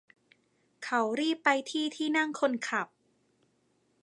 เขารีบไปที่ที่นั่งคนขับ